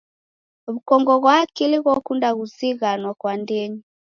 W'ukongo ghwa akili ghokunda kuzighanwa kwa ndenyi.